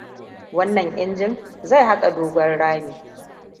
Wannan Injin zai haƙa dogon rami.